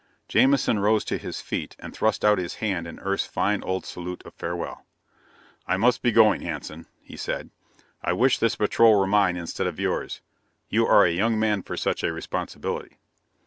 Jamison rose to his feet and thrust out his hand in Earth's fine old salute of farewell. "I must be going, Hanson," he said. "I wish this patrol were mine instead of yours. You are a young man for such a responsibility."